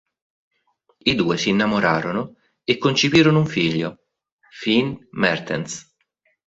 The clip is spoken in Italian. I due si innamorarono e concepirono un figlio, Finn Mertens.